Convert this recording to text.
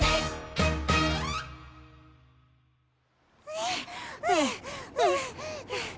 はあはあはあはあ。